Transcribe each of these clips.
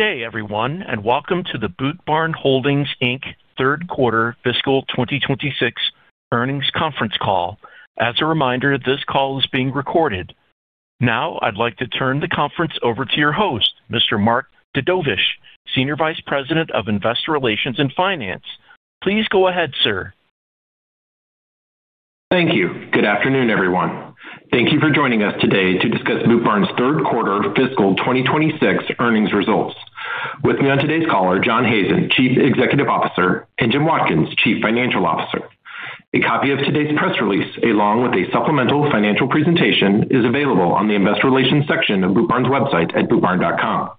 Good day, everyone, and welcome to the Boot Barn Holdings, Inc. third quarter fiscal 2026 earnings conference call. As a reminder, this call is being recorded. Now, I'd like to turn the conference over to your host, Mr. Mark Dedovesh, Senior Vice President of Investor Relations and Finance. Please go ahead, sir. Thank you. Good afternoon, everyone. Thank you for joining us today to discuss Boot Barn's third quarter fiscal 2026 earnings results. With me on today's call are John Hazen, Chief Executive Officer, and Jim Watkins, Chief Financial Officer. A copy of today's press release, along with a supplemental financial presentation, is available on the investor relations section of Boot Barn's website at bootbarn.com.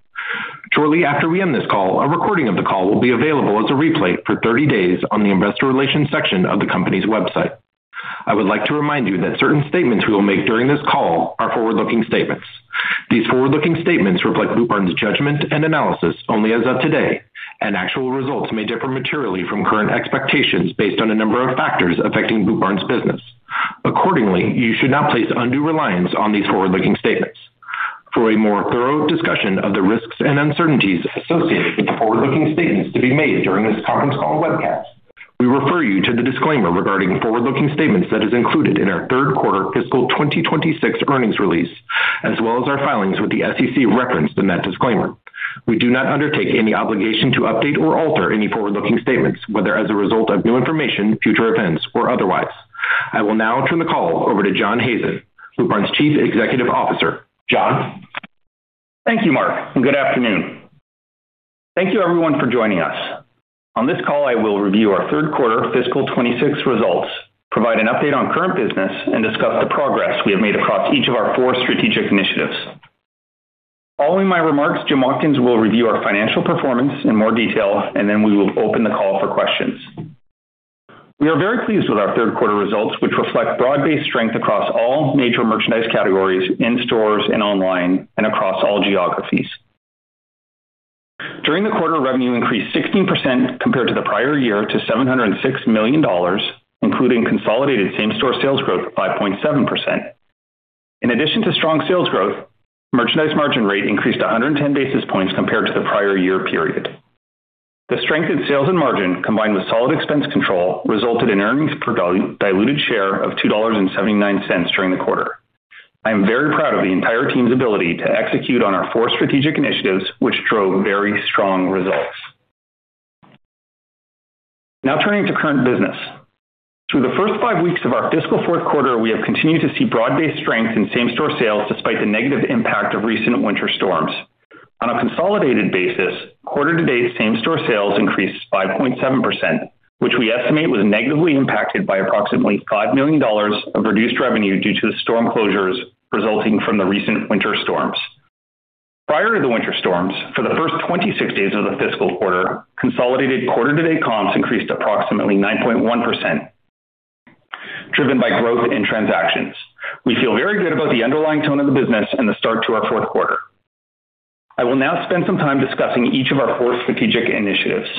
Shortly after we end this call, a recording of the call will be available as a replay for 30 days on the investor relations section of the company's website. I would like to remind you that certain statements we will make during this call are forward-looking statements. These forward-looking statements reflect Boot Barn's judgment and analysis only as of today, and actual results may differ materially from current expectations based on a number of factors affecting Boot Barn's business. Accordingly, you should not place undue reliance on these forward-looking statements. For a more thorough discussion of the risks and uncertainties associated with the forward-looking statements to be made during this conference call webcast, we refer you to the disclaimer regarding forward-looking statements that is included in our third quarter fiscal 2026 earnings release, as well as our filings with the SEC referenced in that disclaimer. We do not undertake any obligation to update or alter any forward-looking statements, whether as a result of new information, future events, or otherwise. I will now turn the call over to John Hazen, Boot Barn's Chief Executive Officer. John? Thank you, Mark, and good afternoon. Thank you everyone for joining us. On this call, I will review our third quarter fiscal 2026 results, provide an update on current business, and discuss the progress we have made across each of our four strategic initiatives. Following my remarks, Jim Watkins will review our financial performance in more detail, and then we will open the call for questions. We are very pleased with our third quarter results, which reflect broad-based strength across all major merchandise categories, in stores and online, and across all geographies. During the quarter, revenue increased 16% compared to the prior year to $706 million, including consolidated same-store sales growth, 5.7%. In addition to strong sales growth, merchandise margin rate increased 110 basis points compared to the prior year period. The strength in sales and margin, combined with solid expense control, resulted in earnings per diluted share of $2.79 during the quarter. I am very proud of the entire team's ability to execute on our four strategic initiatives, which drove very strong results. Now turning to current business. Through the first five weeks of our fiscal fourth quarter, we have continued to see broad-based strength in same-store sales, despite the negative impact of recent winter storms. On a consolidated basis, quarter-to-date same-store sales increased 5.7%, which we estimate was negatively impacted by approximately $5 million of reduced revenue due to the storm closures resulting from the recent winter storms. Prior to the winter storms, for the first 26 days of the fiscal quarter, consolidated quarter-to-date comps increased approximately 9.1%, driven by growth in transactions. We feel very good about the underlying tone of the business and the start to our fourth quarter. I will now spend some time discussing each of our four strategic initiatives.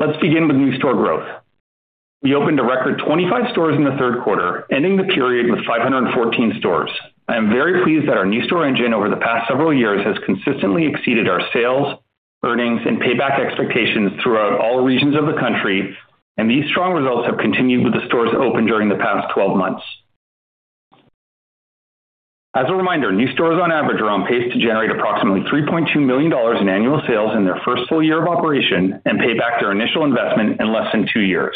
Let's begin with new store growth. We opened a record 25 stores in the third quarter, ending the period with 514 stores. I am very pleased that our new store engine over the past several years has consistently exceeded our sales, earnings, and payback expectations throughout all regions of the country, and these strong results have continued with the stores open during the past 12 months. As a reminder, new stores on average are on pace to generate approximately $3.2 million in annual sales in their first full year of operation and pay back their initial investment in less than two years.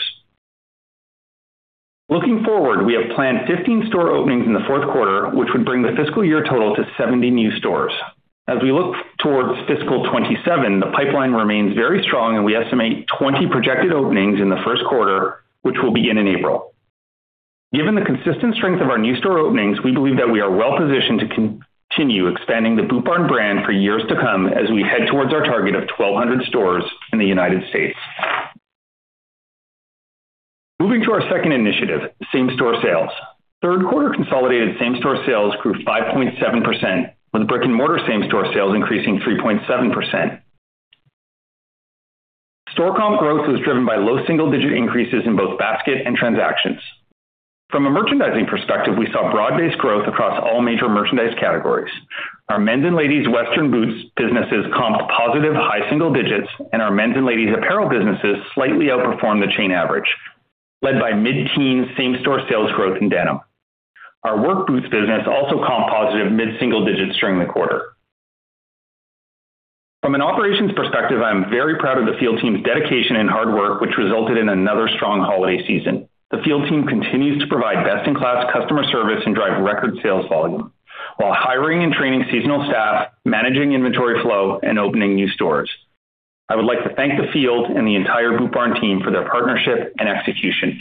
Looking forward, we have planned 15 store openings in the fourth quarter, which would bring the fiscal year total to 70 new stores. As we look towards fiscal 2027, the pipeline remains very strong, and we estimate 20 projected openings in the first quarter, which will begin in April. Given the consistent strength of our new store openings, we believe that we are well positioned to continue expanding the Boot Barn brand for years to come as we head towards our target of 1,200 stores in the United States. Moving to our second initiative, same-store sales. Third quarter consolidated same-store sales grew 5.7%, with brick-and-mortar same-store sales increasing 3.7%. Store comp growth was driven by low single-digit increases in both basket and transactions. From a merchandising perspective, we saw broad-based growth across all major merchandise categories. Our men's and ladies' Western boots businesses comped positive high single digits, and our men's and ladies' apparel businesses slightly outperformed the chain average, led by mid-teen same-store sales growth in denim. Our work boots business also comped positive mid-single digits during the quarter. From an operations perspective, I am very proud of the field team's dedication and hard work, which resulted in another strong holiday season. The field team continues to provide best-in-class customer service and drive record sales volume, while hiring and training seasonal staff, managing inventory flow, and opening new stores. I would like to thank the field and the entire Boot Barn team for their partnership and execution.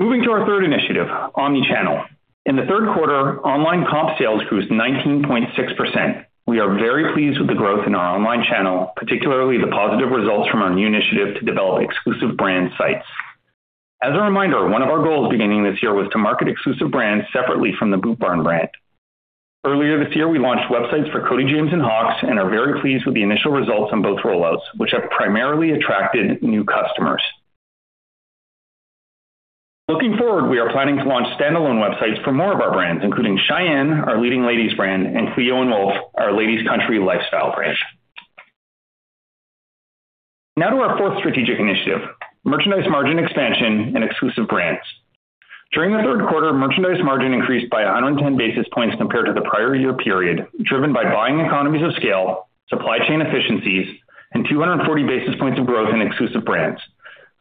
Moving to our third initiative, omnichannel. In the third quarter, online comp sales grew 19.6%. We are very pleased with the growth in our online channel, particularly the positive results from our new initiative to develop exclusive brand sites. As a reminder, one of our goals beginning this year was to market exclusive brands separately from the Boot Barn brand. Earlier this year, we launched websites for Cody James and Hawx and are very pleased with the initial results on both rollouts, which have primarily attracted new customers....Looking forward, we are planning to launch standalone websites for more of our brands, including Shyanne, our leading ladies brand, and Cleo + Wolf, our ladies country lifestyle brand. Now to our fourth strategic initiative, merchandise margin expansion and exclusive brands. During the third quarter, merchandise margin increased by 110 basis points compared to the prior year period, driven by buying economies of scale, supply chain efficiencies, and 240 basis points of growth in exclusive brands.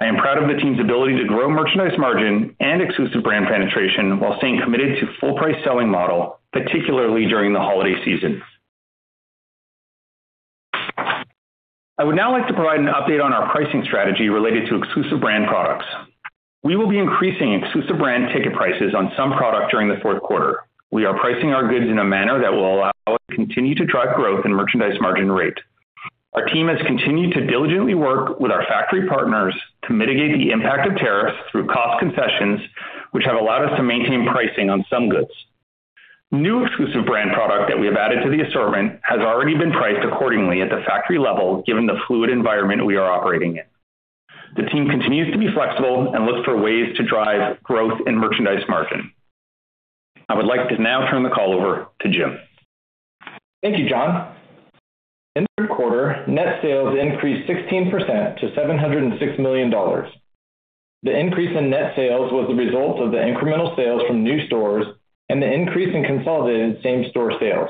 I am proud of the team's ability to grow merchandise margin and exclusive brand penetration while staying committed to full price selling model, particularly during the holiday season. I would now like to provide an update on our pricing strategy related to exclusive brand products. We will be increasing exclusive brand ticket prices on some products during the fourth quarter. We are pricing our goods in a manner that will allow us to continue to drive growth in merchandise margin rate. Our team has continued to diligently work with our factory partners to mitigate the impact of tariffs through cost concessions, which have allowed us to maintain pricing on some goods. New exclusive brand product that we have added to the assortment has already been priced accordingly at the factory level, given the fluid environment we are operating in. The team continues to be flexible and looks for ways to drive growth in merchandise margin. I would like to now turn the call over to Jim. Thank you, John. In the third quarter, net sales increased 16% to $706 million. The increase in net sales was the result of the incremental sales from new stores and the increase in consolidated same-store sales.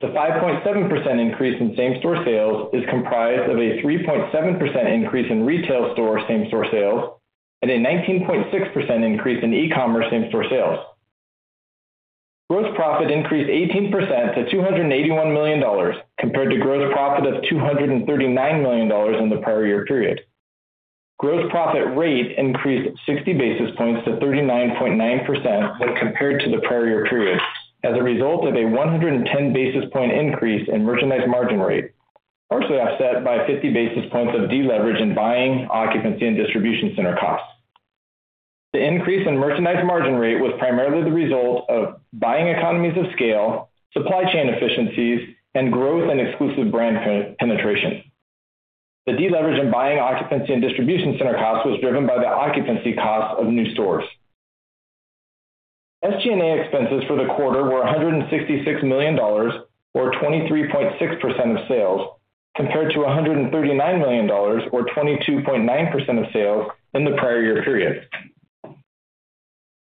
The 5.7% increase in same-store sales is comprised of a 3.7% increase in retail store same-store sales and a 19.6% increase in e-commerce same-store sales. Gross profit increased 18% to $281 million, compared to gross profit of $239 million in the prior year period. Gross profit rate increased 60 basis points to 39.9% when compared to the prior year period, as a result of a 110 basis point increase in merchandise margin rate, partially offset by 50 basis points of deleverage in buying, occupancy, and distribution center costs. The increase in merchandise margin rate was primarily the result of buying economies of scale, supply chain efficiencies, and growth in exclusive brand penetration. The deleverage in buying, occupancy, and distribution center costs was driven by the occupancy costs of new stores. SG&A expenses for the quarter were $166 million, or 23.6% of sales, compared to $139 million, or 22.9% of sales, in the prior year period.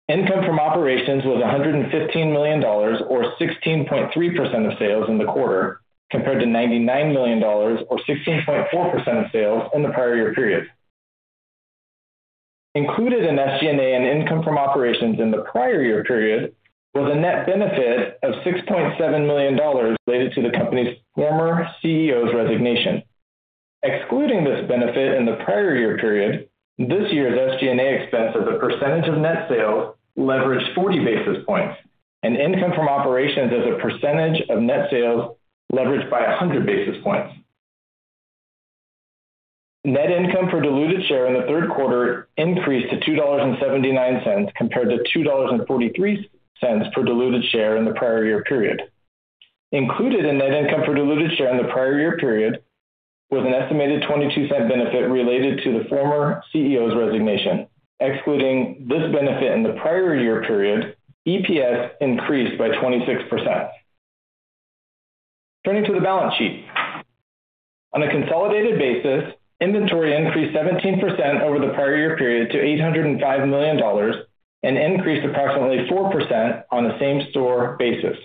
Income from operations was $115 million, or 16.3% of sales in the quarter, compared to $99 million or 16.4% of sales in the prior year period. Included in SG&A and income from operations in the prior year period was a net benefit of $6.7 million related to the company's former CEO's resignation. Excluding this benefit in the prior year period, this year's SG&A expense as a percentage of net sales leveraged 40 basis points, and income from operations as a percentage of net sales leveraged by 100 basis points. Net income per diluted share in the third quarter increased to $2.79, compared to $2.43 per diluted share in the prior year period. Included in net income per diluted share in the prior year period was an estimated $0.22 benefit related to the former CEO's resignation. Excluding this benefit in the prior year period, EPS increased by 26%. Turning to the balance sheet. On a consolidated basis, inventory increased 17% over the prior year period to $805 million and increased approximately 4% on a same-store basis.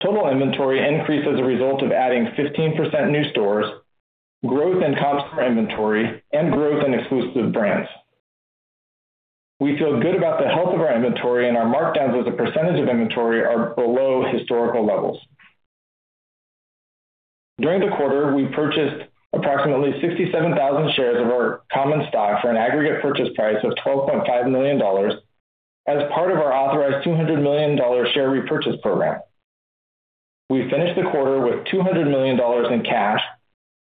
Total inventory increased as a result of adding 15% new stores, growth in comp store inventory, and growth in exclusive brands. We feel good about the health of our inventory, and our markdowns as a percentage of inventory are below historical levels. During the quarter, we purchased approximately 67,000 shares of our common stock for an aggregate purchase price of $12.5 million as part of our authorized $200 million share repurchase program. We finished the quarter with $200 million in cash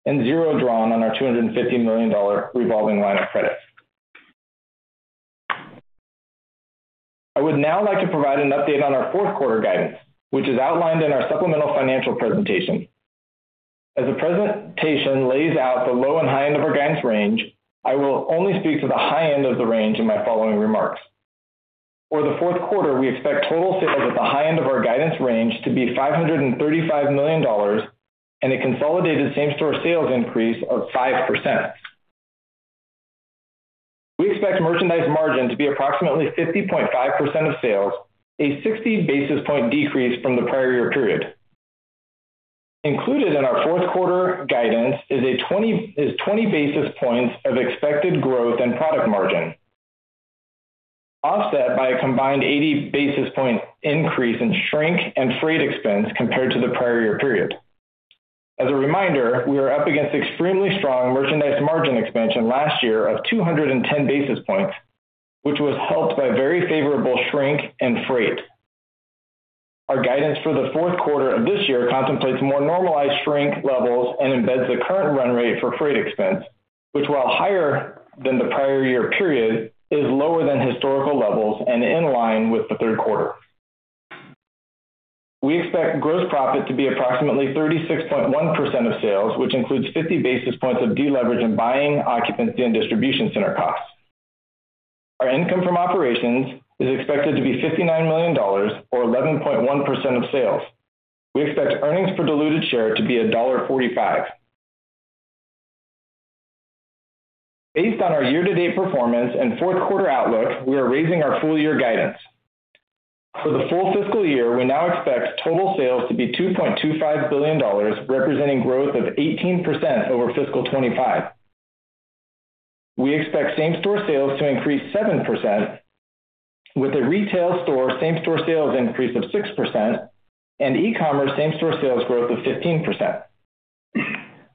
and zero drawn on our $250 million revolving line of credit. I would now like to provide an update on our fourth quarter guidance, which is outlined in our supplemental financial presentation. As the presentation lays out the low and high end of our guidance range, I will only speak to the high end of the range in my following remarks. For the fourth quarter, we expect total sales at the high end of our guidance range to be $535 million and a consolidated same-store sales increase of 5%. We expect merchandise margin to be approximately 50.5% of sales, a 60 basis point decrease from the prior year period. Included in our fourth quarter guidance is 20 basis points of expected growth in merchandise margin, offset by a combined 80 basis points increase in shrink and freight expense compared to the prior year period. As a reminder, we are up against extremely strong merchandise margin expansion last year of 210 basis points, which was helped by very favorable shrink and freight. Our guidance for the fourth quarter of this year contemplates more normalized shrink levels and embeds the current run rate for freight expense, which, while higher than the prior year period, is lower than historical levels and in line with the third quarter.... We expect gross profit to be approximately 36.1% of sales, which includes 50 basis points of deleverage in buying occupancy and distribution center costs. Our income from operations is expected to be $59 million, or 11.1% of sales. We expect earnings per diluted share to be $1.45. Based on our year-to-date performance and fourth quarter outlook, we are raising our full year guidance. For the full fiscal year, we now expect total sales to be $2.25 billion, representing growth of 18% over fiscal 2025. We expect same-store sales to increase 7%, with a retail store same-store sales increase of 6% and e-commerce same-store sales growth of 15%.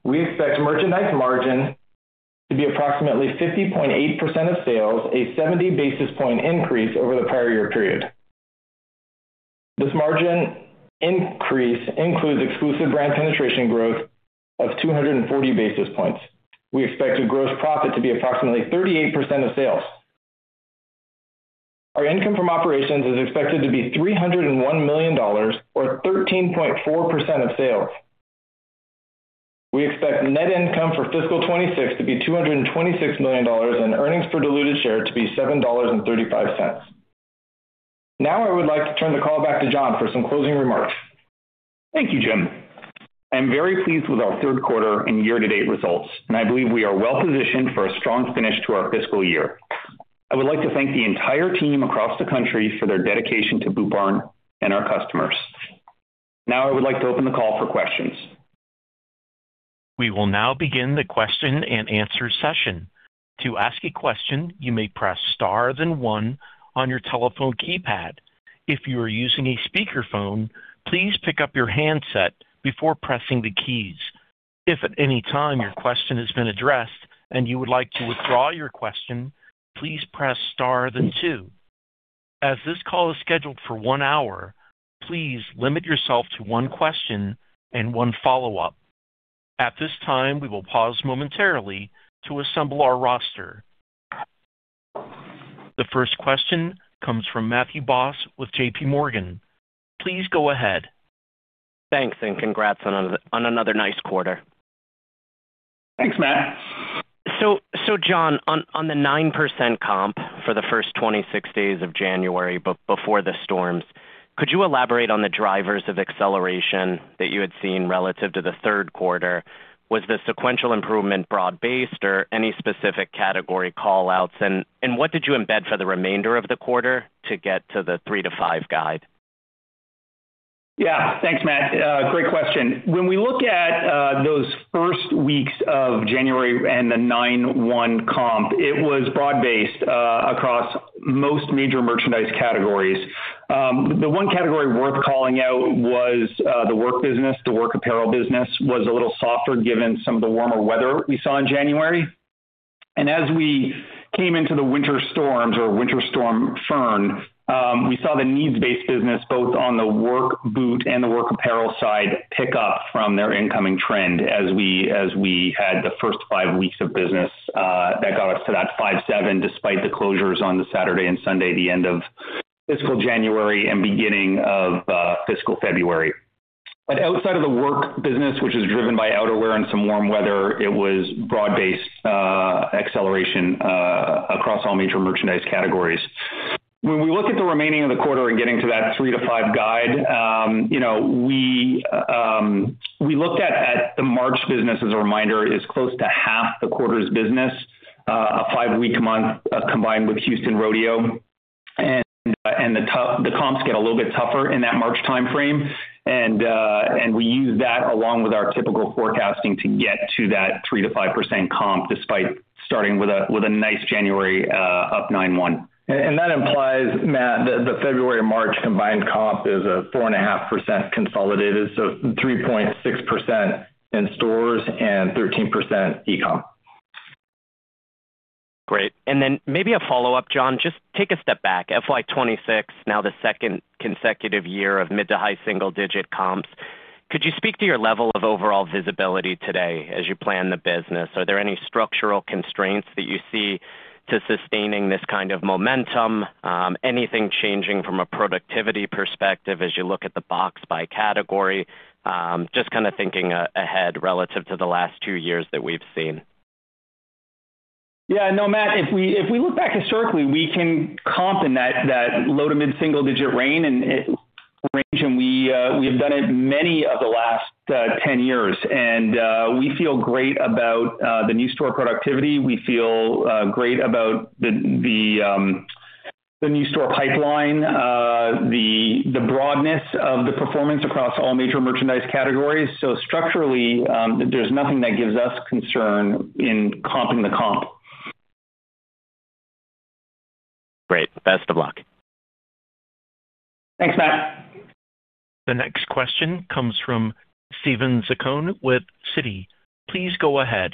We expect merchandise margin to be approximately 50.8% of sales, a 70 basis point increase over the prior year period. This margin increase includes exclusive brand penetration growth of 240 basis points. We expect a gross profit to be approximately 38% of sales. Our income from operations is expected to be $301 million, or 13.4% of sales. We expect net income for fiscal 2026 to be $226 million, and earnings per diluted share to be $7.35. Now, I would like to turn the call back to John for some closing remarks. Thank you, Jim. I'm very pleased with our third quarter and year-to-date results, and I believe we are well positioned for a strong finish to our fiscal year. I would like to thank the entire team across the country for their dedication to Boot Barn and our customers. Now, I would like to open the call for questions. We will now begin the question-and-answer session. To ask a question, you may press star, then one on your telephone keypad. If you are using a speakerphone, please pick up your handset before pressing the keys. If at any time your question has been addressed and you would like to withdraw your question, please press star then two. As this call is scheduled for one hour, please limit yourself to one question and one follow-up. At this time, we will pause momentarily to assemble our roster. The first question comes from Matthew Boss with J.P. Morgan. Please go ahead. Thanks, and congrats on another nice quarter. Thanks, Matt. John, on the 9% comp for the first 26 days of January, but before the storms, could you elaborate on the drivers of acceleration that you had seen relative to the third quarter? Was the sequential improvement broad-based, or any specific category call outs? And what did you embed for the remainder of the quarter to get to the 3%-5% guide? Yeah. Thanks, Matt. Great question. When we look at those first weeks of January and the 9.1 comp, it was broad-based across most major merchandise categories. The one category worth calling out was the work business. The work apparel business was a little softer, given some of the warmer weather we saw in January. And as we came into the winter storms or Winter Storm Fern, we saw the needs-based business, both on the work boot and the work apparel side, pick up from their incoming trend as we had the first five weeks of business that got us to that 5.7, despite the closures on the Saturday and Sunday, the end of fiscal January and beginning of fiscal February. But outside of the work business, which is driven by outerwear and some warm weather, it was broad-based acceleration across all major merchandise categories. When we look at the remaining of the quarter and getting to that 3-5 guide, you know, we looked at the March business, as a reminder, is close to half the quarter's business, a five-week month combined with Houston Rodeo. And the tough comps get a little bit tougher in that March timeframe. And we use that along with our typical forecasting to get to that 3%-5% comp, despite starting with a nice January up 9.1. That implies, Matt, that the February and March combined comp is a 4.5% consolidated, so 3.6% in stores and 13% e-com. Great. Then maybe a follow-up, John, just take a step back. FY 2026, now the second consecutive year of mid- to high-single-digit comps. Could you speak to your level of overall visibility today as you plan the business? Are there any structural constraints that you see to sustaining this kind of momentum? Anything changing from a productivity perspective as you look at the box by category? Just kind of thinking ahead relative to the last two years that we've seen. Yeah. No, Matt, if we look back historically, we can comp in that low to mid single digit range, and we have done it many of the last 10 years. We feel great about the new store productivity. We feel great about the new store pipeline, the broadness of the performance across all major merchandise categories. So structurally, there's nothing that gives us concern in comping the comp. Great. Best of luck. Thanks, Matt. The next question comes from Steven Zaccone with Citi. Please go ahead.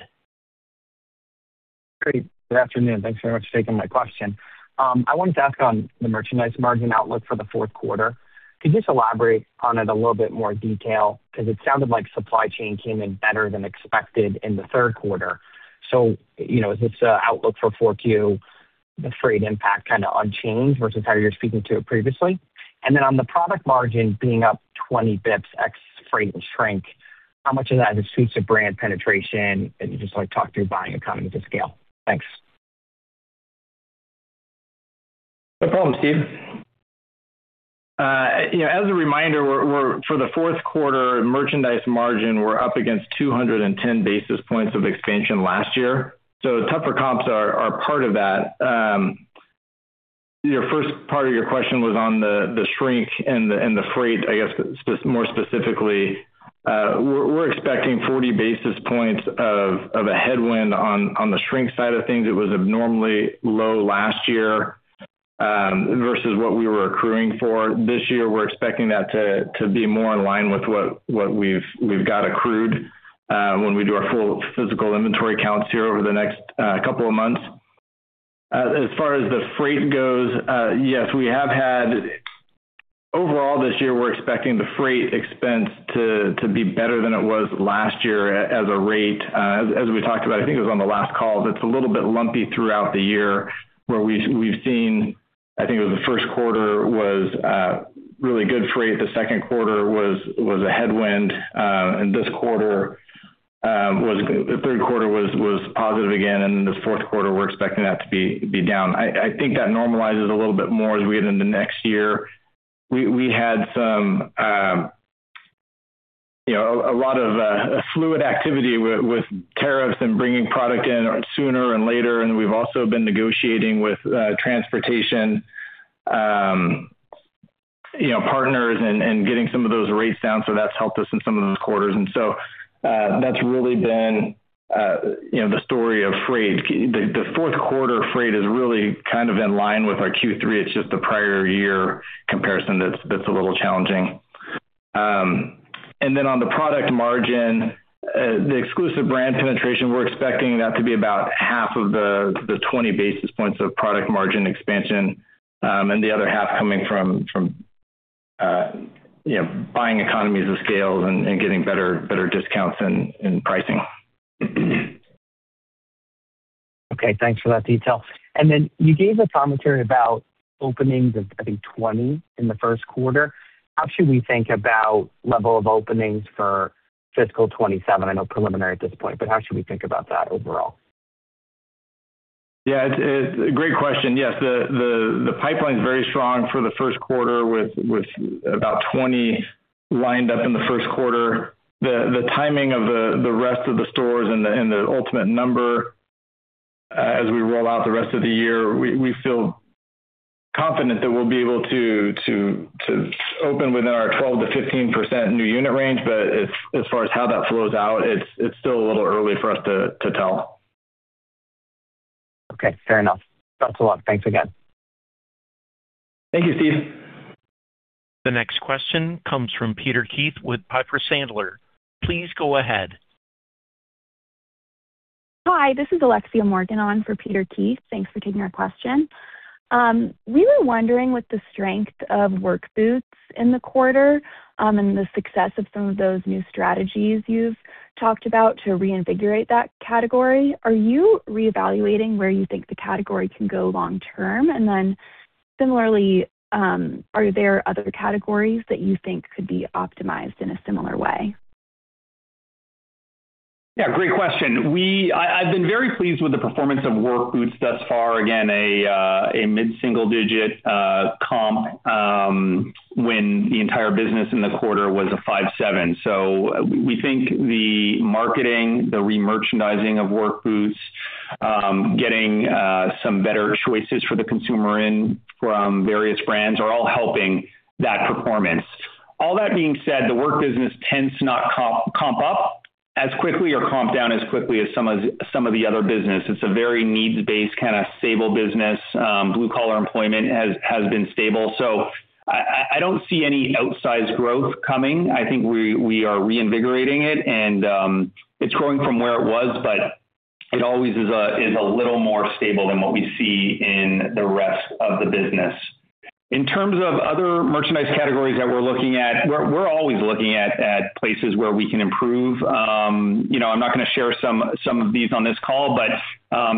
Great. Good afternoon. Thanks very much for taking my question. I wanted to ask on the merchandise margin outlook for the fourth quarter. Could you just elaborate on it a little bit more detail? Because it sounded like supply chain came in better than expected in the third quarter. So, you know, as it's outlook for 4Q, the freight impact kind of unchanged versus how you were speaking to it previously? And then on the product margin being up 20 basis points ex freight and shrink, how much of that is due to brand penetration? And you just like talk through buying economies of scale. Thanks. No problem, Steve. You know, as a reminder, we're for the fourth quarter, merchandise margin, we're up against 210 basis points of expansion last year. So tougher comps are part of that. Your first part of your question was on the shrink and the freight. I guess, more specifically, we're expecting 40 basis points of a headwind on the shrink side of things. It was abnormally low last year versus what we were accruing for. This year, we're expecting that to be more in line with what we've got accrued when we do our full physical inventory counts here over the next couple of months. As far as the freight goes, yes, we have had... Overall, this year, we're expecting the freight expense to be better than it was last year as a rate. As we talked about, I think it was on the last call, that it's a little bit lumpy throughout the year, where we've seen, I think it was the first quarter was really good freight. The second quarter was a headwind, and this quarter was the third quarter was positive again, and the fourth quarter, we're expecting that to be down. I think that normalizes a little bit more as we get into next year. We had some, you know, a lot of fluid activity with tariffs and bringing product in sooner and later, and we've also been negotiating with transportation, you know, partners and getting some of those rates down. So that's helped us in some of those quarters. And so, that's really been, you know, the story of freight. The, the fourth quarter freight is really kind of in line with our Q3. It's just the prior year comparison that's, that's a little challenging. And then on the product margin, the exclusive brand penetration, we're expecting that to be about half of the, the 20 basis points of product margin expansion, and the other half coming from, from, you know, buying economies of scale and, and getting better, better discounts in, in pricing. Okay, thanks for that detail. And then you gave a commentary about openings of, I think, 20 in the first quarter. How should we think about level of openings for fiscal 2027? I know, preliminary at this point, but how should we think about that overall? Yeah, it's a great question. Yes, the pipeline is very strong for the first quarter, with about 20 lined up in the first quarter. The timing of the rest of the stores and the ultimate number, as we roll out the rest of the year, we feel confident that we'll be able to open within our 12%-15% new unit range. But as far as how that flows out, it's still a little early for us to tell. Okay, fair enough. Thanks a lot. Thanks again. Thank you, Steve. The next question comes from Peter Keith with Piper Sandler. Please go ahead. Hi, this is Alexia Morgan on for Peter Keith. Thanks for taking our question. We were wondering, with the strength of work boots in the quarter, and the success of some of those new strategies you've talked about to reinvigorate that category, are you reevaluating where you think the category can go long term? And then similarly, are there other categories that you think could be optimized in a similar way? Yeah, great question. I've been very pleased with the performance of work boots thus far. Again, a mid-single digit comp, when the entire business in the quarter was 5.7. So we think the marketing, the remerchandising of work boots, getting some better choices for the consumer in from various brands, are all helping that performance. All that being said, the work business tends to not comp up as quickly or comp down as quickly as some of the other business. It's a very needs-based, kind of, stable business. Blue-collar employment has been stable, so I don't see any outsized growth coming. I think we are reinvigorating it, and it's growing from where it was, but it always is a little more stable than what we see in the rest of the business. In terms of other merchandise categories that we're looking at, we're always looking at places where we can improve. You know, I'm not gonna share some of these on this call, but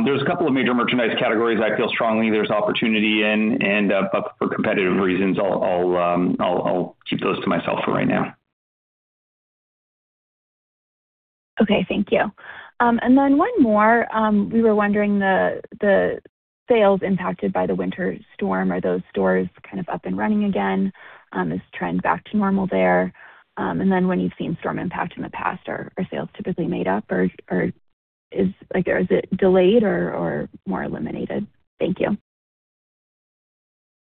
there's a couple of major merchandise categories I feel strongly there's opportunity in, and but for competitive reasons, I'll keep those to myself for right now. Okay, thank you. And then one more. We were wondering, the sales impacted by the winter storm, are those stores kind of up and running again? Is trend back to normal there? And then when you've seen storm impact in the past, are sales typically made up, or is... Like, is it delayed or more eliminated? Thank you.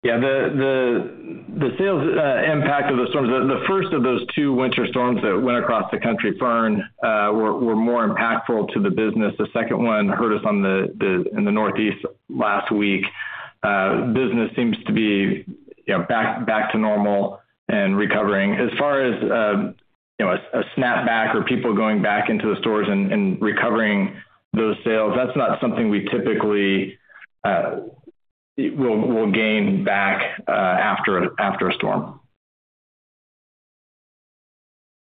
Yeah, the sales impact of the storms, the first of those two winter storms that went across the country, Fern, were more impactful to the business. The second one hurt us in the Northeast last week. Business seems to be, you know, back to normal and recovering. As far as, you know, a snapback or people going back into the stores and recovering those sales, that's not something we typically will gain back after a storm....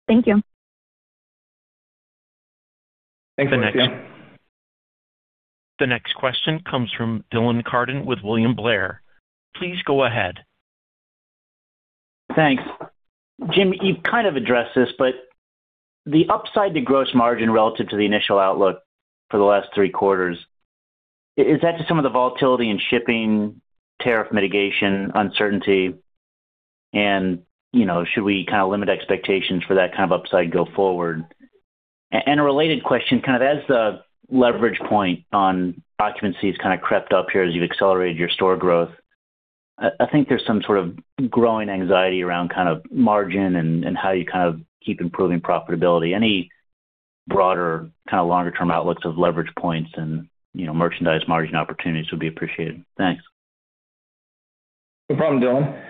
Thank you. Thanks, Cynthia. The next question comes from Dylan Carden with William Blair. Please go ahead. Thanks. Jim, you've kind of addressed this, but the upside to gross margin relative to the initial outlook for the last three quarters, is that just some of the volatility in shipping, tariff mitigation, uncertainty? And, you know, should we kind of limit expectations for that kind of upside go forward? And a related question, kind of as the leverage point on occupancy has kind of crept up here as you've accelerated your store growth, I think there's some sort of growing anxiety around kind of margin and how you kind of keep improving profitability. Any broader, kind of longer term outlooks of leverage points and, you know, merchandise margin opportunities would be appreciated. Thanks. No problem, Dylan.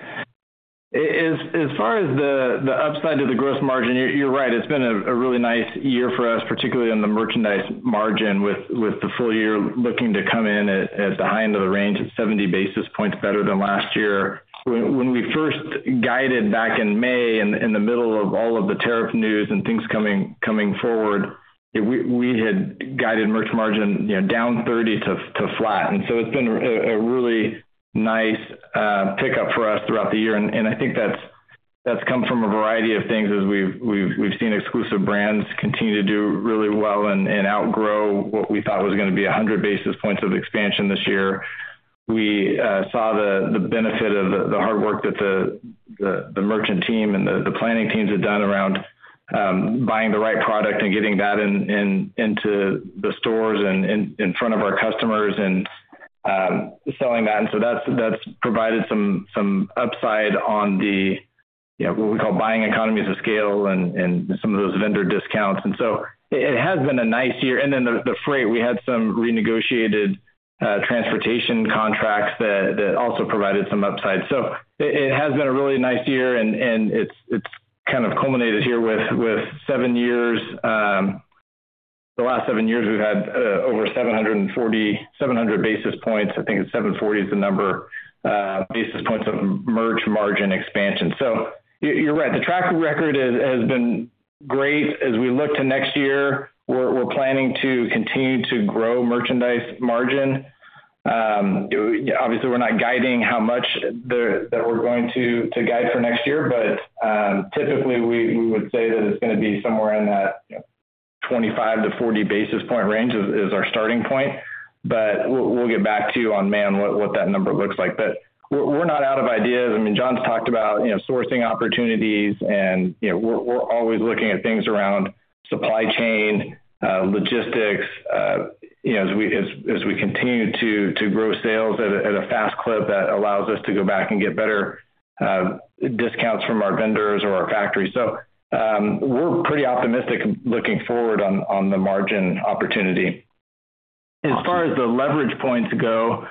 As far as the upside to the gross margin, you're right, it's been a really nice year for us, particularly on the merchandise margin, with the full year looking to come in at the high end of the range, at 70 basis points better than last year. When we first guided back in May, in the middle of all of the tariff news and things coming forward, we had guided merch margin, you know, down 30 to flat. So it's been a really nice pickup for us throughout the year, and I think that's come from a variety of things. As we've seen exclusive brands continue to do really well and outgrow what we thought was gonna be 100 basis points of expansion this year. We saw the benefit of the hard work that the merchant team and the planning teams had done around buying the right product and getting that into the stores and in front of our customers and selling that. And so that's provided some upside on, you know, what we call buying economies of scale and some of those vendor discounts. And so it has been a nice year. And then the freight, we had some renegotiated transportation contracts that also provided some upside. So it has been a really nice year, and it's kind of culminated here with seven years. The last seven years, we've had over 740 basis points. I think 740 is the number, basis points of merch margin expansion. So you're, you're right, the track record has, has been great. As we look to next year, we're, we're planning to continue to grow merchandise margin. Obviously, we're not guiding how much the, that we're going to, to guide for next year, but, typically, we, we would say that it's gonna be somewhere in that, you know, 25-40 basis point range is, is our starting point. But we'll, we'll get back to you on, man, what, what that number looks like. But we're, we're not out of ideas. I mean, John's talked about, you know, sourcing opportunities and, you know, we're, we're always looking at things around supply chain, logistics, you know, as we, as, as we continue to, to grow sales at a, at a fast clip, that allows us to go back and get better, discounts from our vendors or our factories. So, we're pretty optimistic looking forward on, on the margin opportunity. As far as the leverage points go,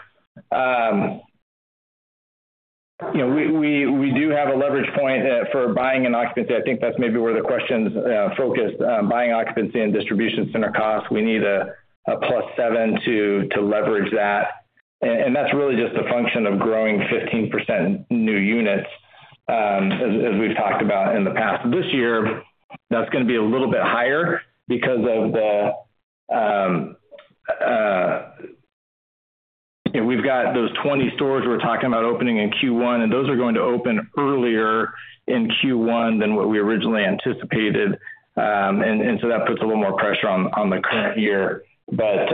you know, we, we, we do have a leverage point, for buying and occupancy. I think that's maybe where the question's, focused. Buying occupancy and distribution center costs, we need a +7 to, to leverage that, and, and that's really just a function of growing 15% new units, as, as we've talked about in the past. This year, that's gonna be a little bit higher because of the, you know, we've got those 20 stores we're talking about opening in Q1, and those are going to open earlier in Q1 than what we originally anticipated. And so that puts a little more pressure on the current year. But,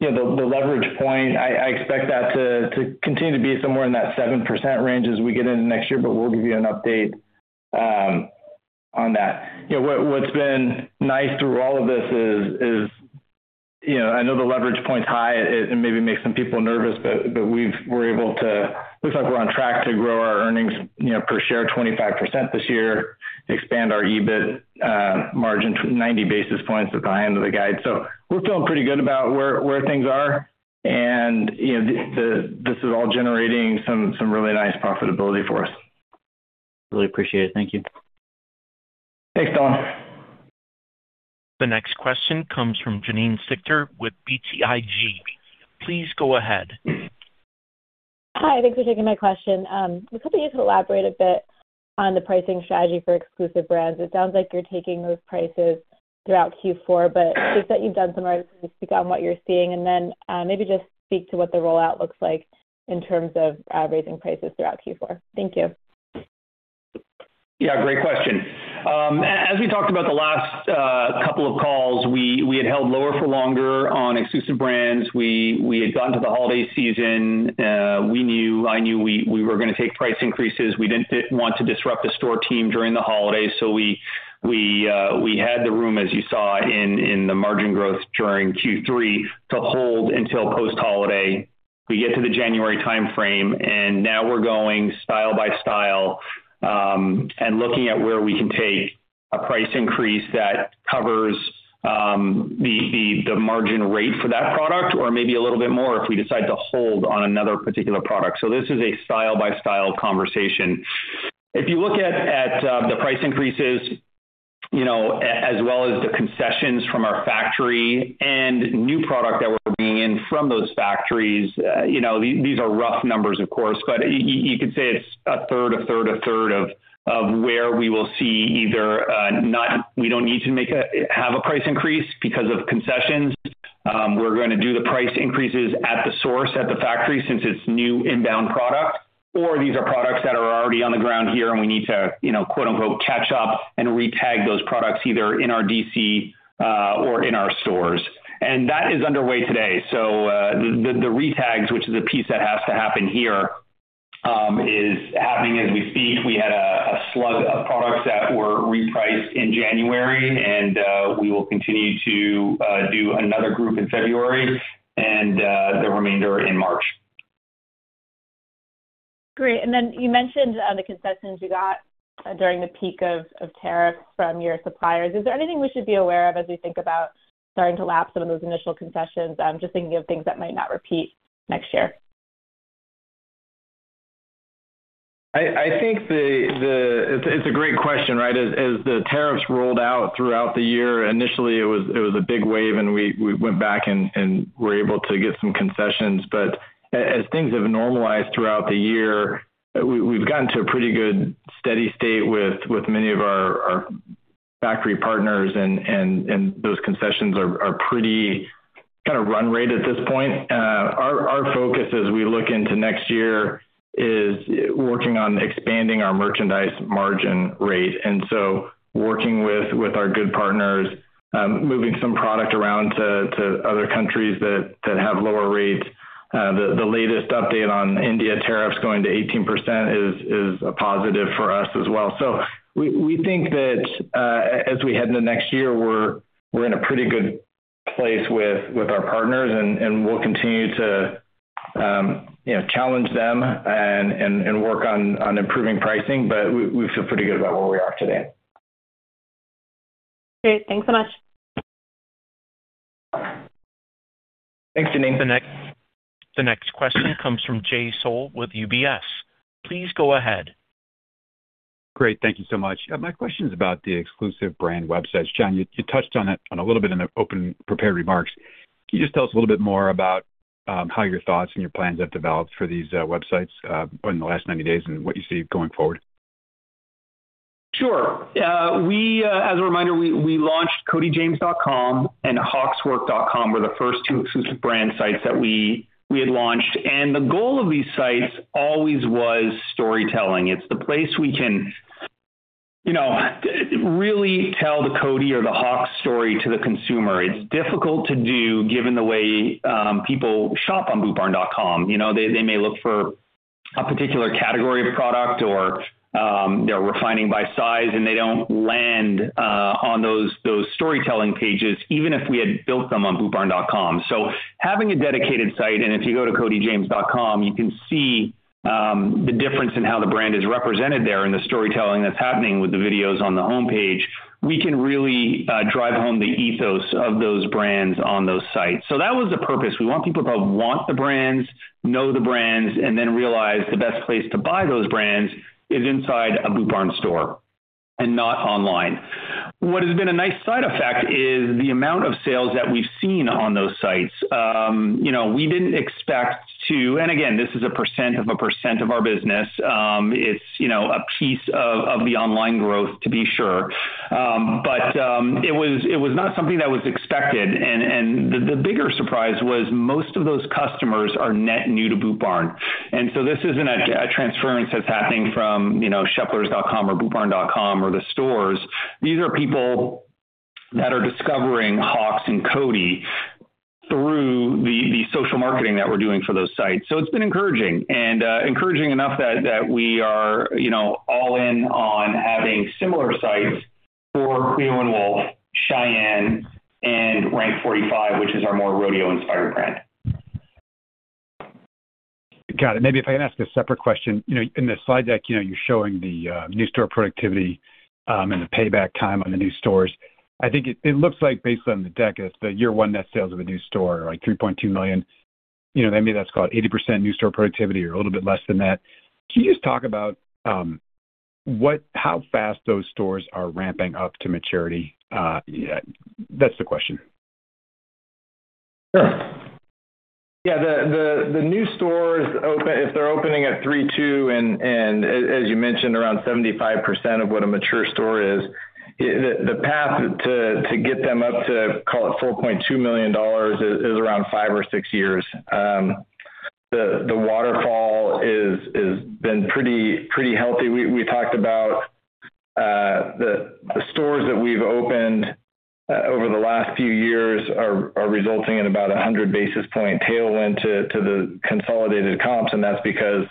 you know, the leverage point, I expect that to continue to be somewhere in that 7% range as we get into next year, but we'll give you an update on that. You know, what's been nice through all of this is, you know, I know the leverage point's high, it maybe makes some people nervous, but, but we've, we're able to... Looks like we're on track to grow our earnings, you know, per share 25% this year, expand our EBIT margin 90 basis points at the high end of the guide. So we're feeling pretty good about where things are. And, you know, this is all generating some really nice profitability for us. Really appreciate it. Thank you. Thanks, Dylan. The next question comes from Janine Stichter with BTIG. Please go ahead. Hi, thanks for taking my question. I was hoping you could elaborate a bit on the pricing strategy for exclusive brands. It sounds like you're taking those prices throughout Q4, but it seems that you've done some adjustments to speak on what you're seeing. And then, maybe just speak to what the rollout looks like in terms of raising prices throughout Q4. Thank you. Yeah, great question. As we talked about the last couple of calls, we had held lower for longer on exclusive brands. We had gotten to the holiday season, we knew we were gonna take price increases. We didn't want to disrupt the store team during the holidays, so we had the room, as you saw, in the margin growth during Q3, to hold until post-holiday. We get to the January timeframe, and now we're going style by style, and looking at where we can take a price increase that covers the margin rate for that product, or maybe a little bit more if we decide to hold on another particular product. So this is a style-by-style conversation. If you look at the price increases- ... you know, as well as the concessions from our factory and new product that we're bringing in from those factories, you know, these, these are rough numbers, of course, but you could say it's a third, a third, a third of where we will see either we don't need to have a price increase because of concessions. We're gonna do the price increases at the source, at the factory, since it's new inbound product, or these are products that are already on the ground here, and we need to, you know, quote-unquote, catch up and re-tag those products, either in our DC, or in our stores. And that is underway today. So, the re-tags, which is a piece that has to happen here, is happening as we speak. We had a slug of products that were repriced in January, and we will continue to do another group in February and the remainder in March. Great. And then you mentioned the concessions you got during the peak of tariffs from your suppliers. Is there anything we should be aware of as we think about starting to lap some of those initial concessions? I'm just thinking of things that might not repeat next year. I think it's a great question, right? As the tariffs rolled out throughout the year, initially, it was a big wave, and we went back and were able to get some concessions. But as things have normalized throughout the year, we've gotten to a pretty good steady state with many of our factory partners, and those concessions are pretty kind of run rate at this point. Our focus as we look into next year is working on expanding our merchandise margin rate. And so working with our good partners, moving some product around to other countries that have lower rates. The latest update on India tariffs going to 18% is a positive for us as well. So we, we think that, as we head into next year, we're, we're in a pretty good place with, with our partners, and, and we'll continue to, you know, challenge them and, and, and work on, on improving pricing. But we, we feel pretty good about where we are today. Great. Thanks so much. Thanks, Janine. The next question comes from Jay Sole with UBS. Please go ahead. Great. Thank you so much. My question is about the exclusive brand websites. John, you touched on it a little bit in the open prepared remarks. Can you just tell us a little bit more about how your thoughts and your plans have developed for these websites in the last 90 days and what you see going forward? Sure. As a reminder, we launched codyjames.com and hawxwork.com, the first two exclusive brand sites that we had launched. The goal of these sites always was storytelling. It's the place we can, you know, really tell the Cody or the Hawx story to the consumer. It's difficult to do, given the way people shop on bootbarn.com. You know, they may look for a particular category of product or they're refining by size, and they don't land on those storytelling pages, even if we had built them on bootbarn.com. Having a dedicated site, and if you go to codyjames.com, you can see the difference in how the brand is represented there and the storytelling that's happening with the videos on the homepage. We can really drive home the ethos of those brands on those sites. That was the purpose. We want people to want the brands, know the brands, and then realize the best place to buy those brands is inside a Boot Barn store and not online. What has been a nice side effect is the amount of sales that we've seen on those sites. You know, we didn't expect. Again, this is a percent of a percent of our business. It's, you know, a piece of the online growth, to be sure. It was not something that was expected. The bigger surprise was most of those customers are net new to Boot Barn. This isn't a transference that's happening from, you know, Sheplers.com or bootbarn.com or the stores. These are people that are discovering Hawx and Cody through the social marketing that we're doing for those sites. So it's been encouraging, and encouraging enough that we are, you know, all in on having similar sites for Cleo + Wolf, Shyanne, and Rank 45, which is our more rodeo-inspired brand. Got it. Maybe if I can ask a separate question. You know, in the slide deck, you know, you're showing the, new store productivity, and the payback time on the new stores. I think it looks like based on the deck, it's the year one net sales of a new store, like $3.2 million. You know, that maybe that's called 80% new store productivity or a little bit less than that. Can you just talk about, what-- how fast those stores are ramping up to maturity? Yeah, that's the question. Sure. Yeah, the new stores open, if they're opening at 3.2, and as you mentioned, around 75% of what a mature store is, the path to get them up to, call it $4.2 million is around five or six years. The waterfall has been pretty healthy. We talked about the stores that we've opened over the last few years are resulting in about 100 basis point tailwind to the consolidated comps, and that's because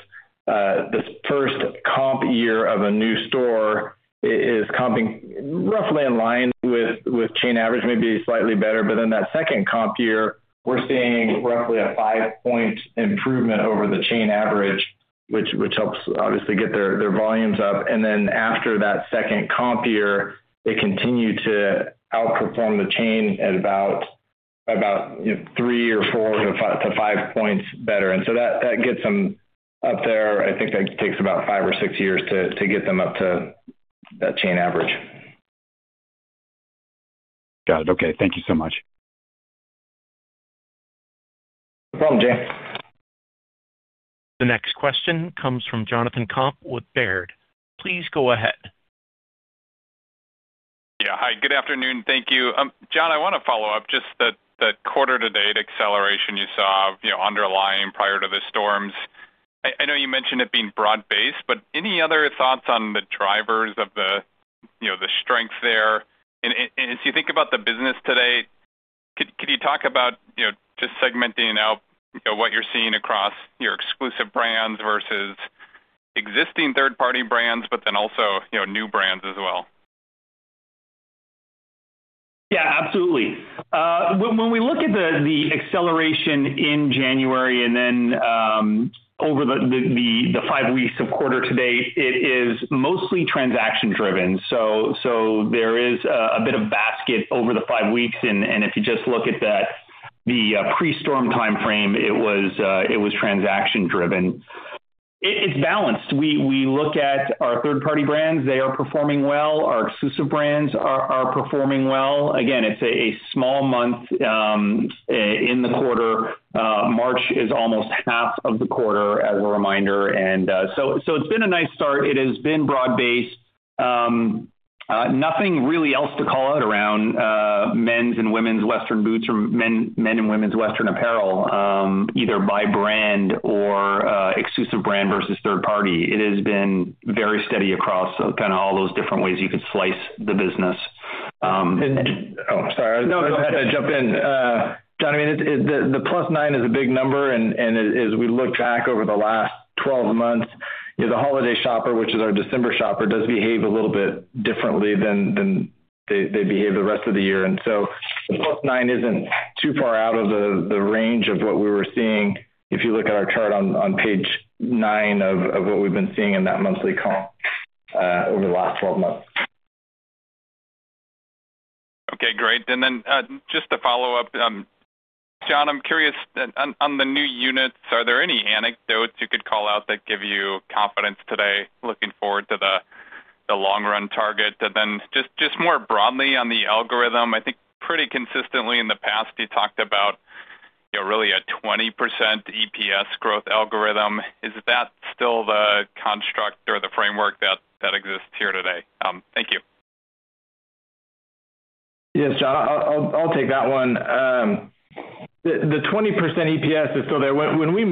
this first comp year of a new store is comping roughly in line with chain average, maybe slightly better. But then that second comp year, we're seeing roughly a five-point improvement over the chain average, which helps obviously get their volumes up. Then after that second comp year, they continue to outperform the chain at about, you know, three or 4-5 points better. So that, that gets them up there. I think that takes about 5 or 6 years to get them up to that chain average. Got it. Okay, thank you so much. No problem, Jay. The next question comes from Jonathan Komp with Baird. Please go ahead. Yeah. Hi, good afternoon. Thank you. John, I want to follow up just the quarter-to-date acceleration you saw, you know, underlying prior to the storms. I know you mentioned it being broad-based, but any other thoughts on the drivers of the, you know, the strength there? And as you think about the business today, could you talk about, you know, just segmenting out, you know, what you're seeing across your exclusive brands versus existing third-party brands, but then also, you know, new brands as well? Yeah, absolutely. When, when we look at the, the acceleration in January and then, over the, the, the five weeks of quarter to date, it is mostly transaction driven. So, so there is, a bit of basket over the five weeks, and, and if you just look at that, the, pre-storm time frame, it was, it was transaction driven. It, it's balanced. We, we look at our third-party brands. They are performing well. Our exclusive brands are, are performing well. Again, it's a, a small month, in the quarter. March is almost half of the quarter, as a reminder. And, so, so it's been a nice start. It has been broad based. Nothing really else to call out around men's and women's Western boots or men's and women's Western apparel, either by brand or exclusive brand versus third party. It has been very steady across kind of all those different ways you could slice the business. Oh, sorry. I had to jump in. John, I mean, the +9 is a big number, and as we look back over the last 12 months, you know, the holiday shopper, which is our December shopper, does behave a little bit differently than they behave the rest of the year so the +9 isn't too far out of the range of what we were seeing if you look at our chart on page 9 of what we've been seeing in that monthly call over the last 12 months. Okay, great. And then, just to follow up, John, I'm curious on, on the new units, are there any anecdotes you could call out that give you confidence today, looking forward to the, the long run target? And then just, just more broadly on the algorithm, I think pretty consistently in the past, you talked about, you know, really a 20% EPS growth algorithm. Is that still the construct or the framework that, that exists here today? Thank you. Yes, John, I'll take that one. The 20% EPS is still there. When we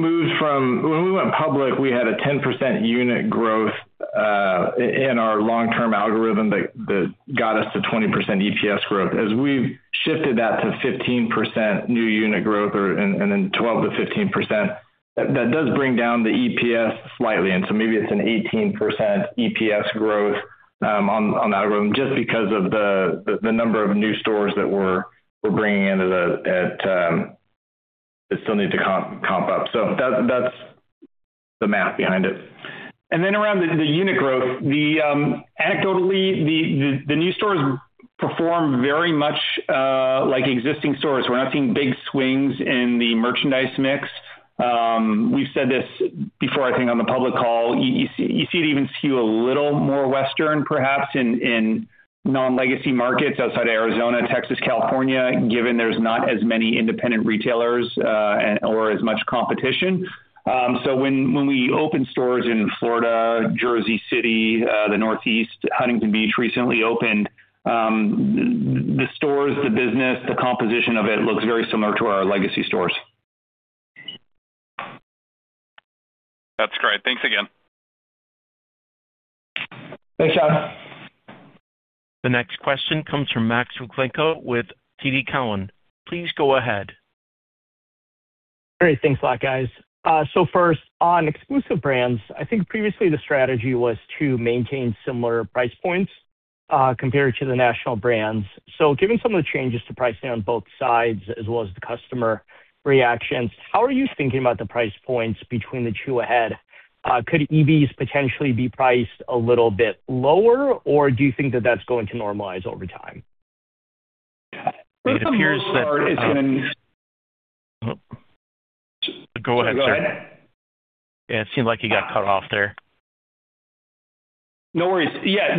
went public, we had a 10% unit growth in our long-term algorithm that got us to 20% EPS growth. As we've shifted that to 15% new unit growth and then 12%-15%, that does bring down the EPS slightly. And so maybe it's an 18% EPS growth on that run just because of the number of new stores that we're bringing into the that still need to comp up. So that's the math behind it. And then around the unit growth, anecdotally, the new stores perform very much like existing stores. We're not seeing big swings in the merchandise mix. We've said this before, I think, on the public call. You see it even skew a little more Western, perhaps in non-legacy markets outside Arizona, Texas, California, given there's not as many independent retailers, and/or as much competition. So when we open stores in Florida, Jersey City, the Northeast, Huntington Beach recently opened, the stores, the business, the composition of it looks very similar to our legacy stores. That's great. Thanks again. Thanks, John. The next question comes from Max Rakhlenko with TD Cowen. Please go ahead. Great. Thanks a lot, guys. So first, on exclusive brands, I think previously the strategy was to maintain similar price points, compared to the national brands. So given some of the changes to pricing on both sides, as well as the customer reactions, how are you thinking about the price points between the two ahead? Could EVs potentially be priced a little bit lower, or do you think that that's going to normalize over time? It appears that, Go ahead, sir. Go ahead. Yeah, it seemed like you got cut off there. No worries. Yeah, I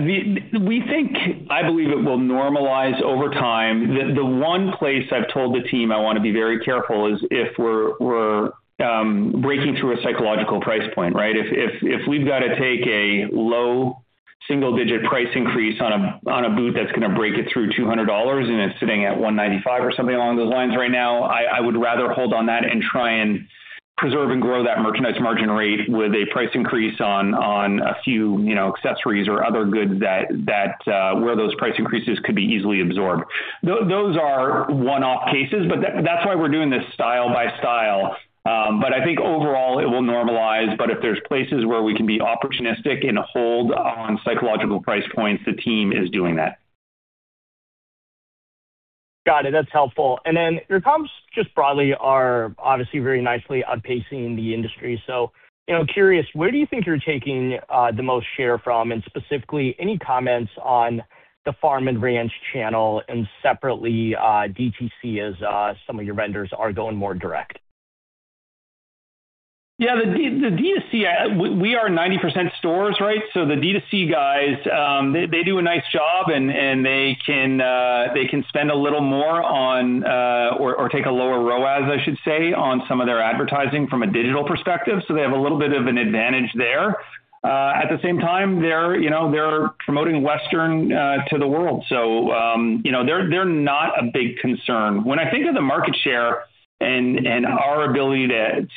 believe it will normalize over time. The one place I've told the team I want to be very careful is if we're breaking through a psychological price point, right? If we've got to take a low single digit price increase on a boot that's gonna break it through $200, and it's sitting at $195 or something along those lines right now, I would rather hold on that and try and preserve and grow that merchandise margin rate with a price increase on a few, you know, accessories or other goods that where those price increases could be easily absorbed. Those are one-off cases, but that's why we're doing this style by style. But I think overall it will normalize, but if there's places where we can be opportunistic and hold on psychological price points, the team is doing that. Got it. That's helpful. And then your comps, just broadly, are obviously very nicely outpacing the industry. So, you know, curious, where do you think you're taking the most share from? And specifically, any comments on the farm and ranch channel, and separately, DTC, as some of your vendors are going more direct? ... Yeah, the D2C, we are 90% stores, right? So the D2C guys, they do a nice job, and they can spend a little more on, or take a lower ROAS, I should say, on some of their advertising from a digital perspective, so they have a little bit of an advantage there. At the same time, they're, you know, they're promoting Western to the world, so, you know, they're not a big concern. When I think of the market share and our ability to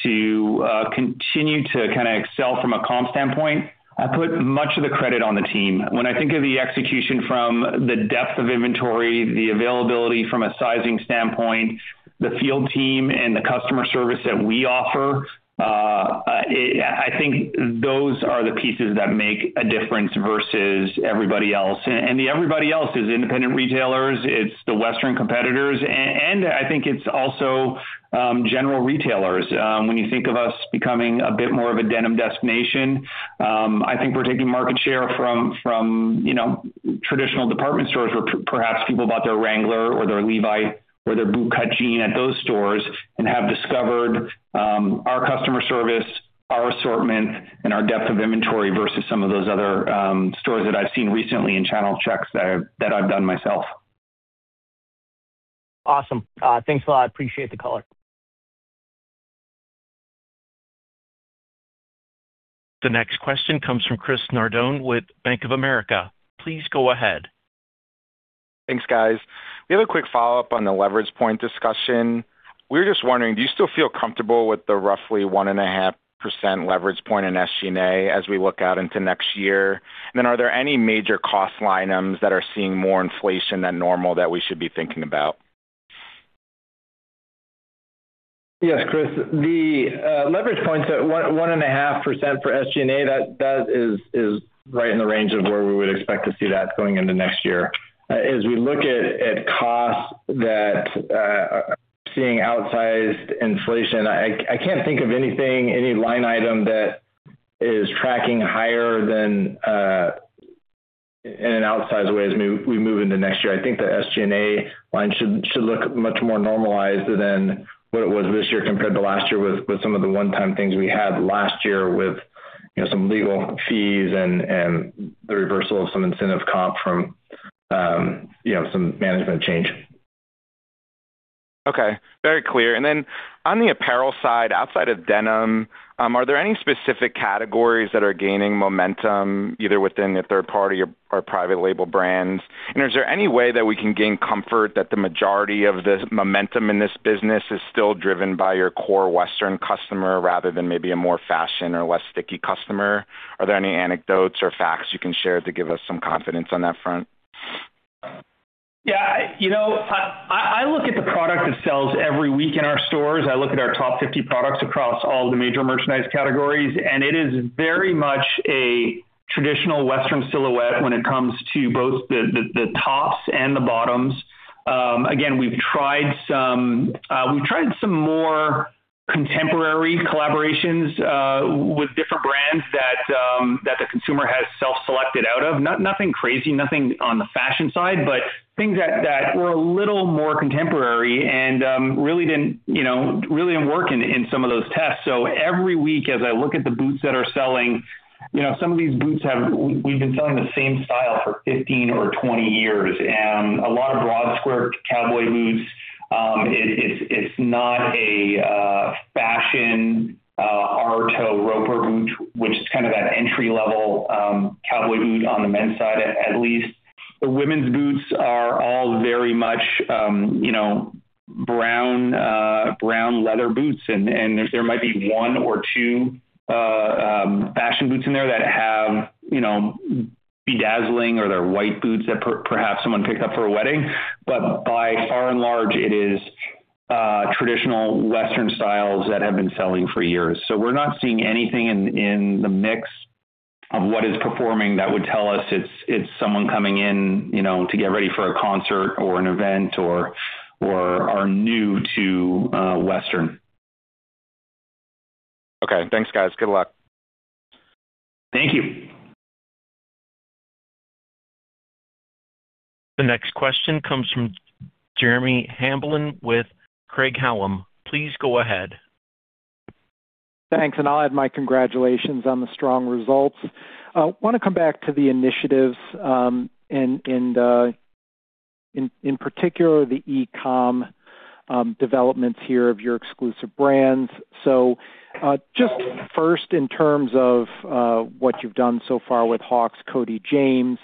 continue to kinda excel from a comp standpoint, I put much of the credit on the team. When I think of the execution from the depth of inventory, the availability from a sizing standpoint, the field team and the customer service that we offer, I think those are the pieces that make a difference versus everybody else. And the everybody else is independent retailers, it's the Western competitors, and I think it's also general retailers. When you think of us becoming a bit more of a denim destination, I think we're taking market share from you know, traditional department stores, where perhaps people bought their Wrangler or their Levi's or their bootcut jean at those stores and have discovered our customer service, our assortment, and our depth of inventory versus some of those other stores that I've seen recently in channel checks that I've done myself. Awesome. Thanks a lot. Appreciate the color. The next question comes from Chris Nardone with Bank of America. Please go ahead. Thanks, guys. We have a quick follow-up on the leverage point discussion. We're just wondering, do you still feel comfortable with the roughly 1.5% leverage point in SG&A as we look out into next year? And then are there any major cost line items that are seeing more inflation than normal that we should be thinking about? Yes, Chris. The leverage points at 1%-1.5% for SG&A, that is right in the range of where we would expect to see that going into next year. As we look at costs that are seeing outsized inflation, I can't think of anything, any line item that is tracking higher than in an outsized way as we move into next year. I think the SG&A line should look much more normalized than what it was this year compared to last year, with some of the one-time things we had last year with, you know, some legal fees and the reversal of some incentive comp from, you know, some management change. Okay. Very clear. And then on the apparel side, outside of denim, are there any specific categories that are gaining momentum, either within the third party or private label brands? And is there any way that we can gain comfort that the majority of the momentum in this business is still driven by your core Western customer, rather than maybe a more fashion or less sticky customer? Are there any anecdotes or facts you can share to give us some confidence on that front? Yeah, you know, I look at the product that sells every week in our stores. I look at our top 50 products across all the major merchandise categories, and it is very much a traditional Western silhouette when it comes to both the tops and the bottoms. Again, we've tried some more contemporary collaborations with different brands that the consumer has self-selected out of. Nothing crazy, nothing on the fashion side, but things that were a little more contemporary and really didn't, you know, really didn't work in some of those tests. So every week, as I look at the boots that are selling, you know, some of these boots have we've been selling the same style for 15 or 20 years. And a lot of broad square cowboy boots, it's not a fashion R-toe roper boot, which is kind of that entry-level cowboy boot on the men's side, at least. The women's boots are all very much, you know, brown brown leather boots, and there might be one or two fashion boots in there that have, you know, bedazzling, or they're white boots that perhaps someone picked up for a wedding. But by and large, it is traditional Western styles that have been selling for years. So we're not seeing anything in the mix of what is performing that would tell us it's someone coming in, you know, to get ready for a concert or an event or are new to Western. Okay. Thanks, guys. Good luck. Thank you. The next question comes from Jeremy Hamblin with Craig-Hallum. Please go ahead. Thanks, and I'll add my congratulations on the strong results. Want to come back to the initiatives and in particular the e-com developments here of your exclusive brands. So just first, in terms of what you've done so far with Hawx, Cody James,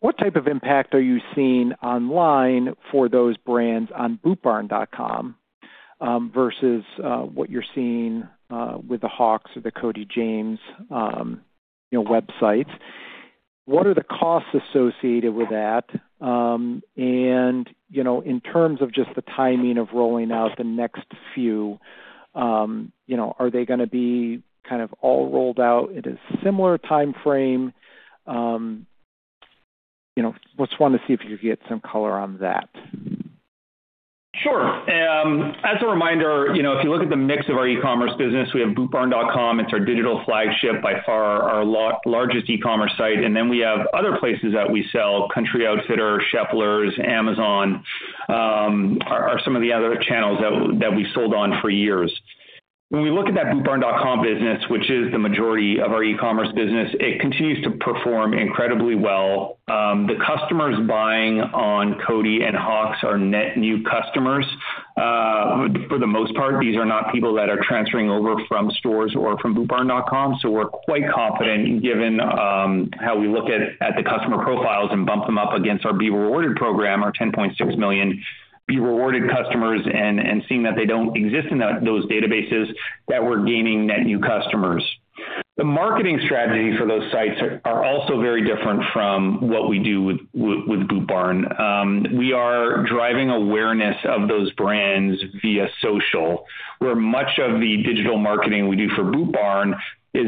what type of impact are you seeing online for those brands on bootbarn.com versus what you're seeing with the Hawx or the Cody James you know websites? What are the costs associated with that? And you know, in terms of just the timing of rolling out the next few you know, are they gonna be kind of all rolled out in a similar timeframe? You know, just want to see if you could get some color on that. Sure. As a reminder, you know, if you look at the mix of our e-commerce business, we have bootbarn.com. It's our digital flagship, by far our largest e-commerce site. And then we have other places that we sell, Country Outfitter, Sheplers, Amazon are some of the other channels that we sold on for years. When we look at that bootbarn.com business, which is the majority of our e-commerce business, it continues to perform incredibly well. The customers buying on Cody and Hawx are net new customers. For the most part, these are not people that are transferring over from stores or from bootbarn.com. We're quite confident, given how we look at the customer profiles and bump them up against our B Rewarded program, our 10.6 million B Rewarded customers, and seeing that they don't exist in those databases, that we're gaining net new customers. The marketing strategy for those sites are also very different from what we do with Boot Barn. We are driving awareness of those brands via social, where much of the digital marketing we do for Boot Barn is